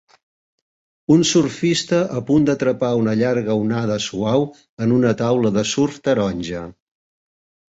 Un surfista a punt d'atrapar una llarga onada suau en una taula de surf taronja.